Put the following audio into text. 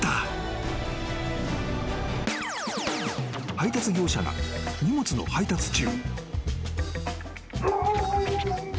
［配達業者が荷物の配達中］